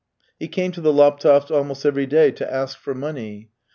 He came to the Laptevs' almost every day to ask for money.